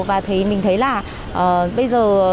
và mình thấy là bây giờ